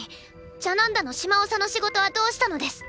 ジャナンダの島長の仕事はどうしたのです？